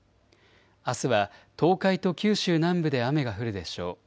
あすは東海と九州南部で雨が降るでしょう。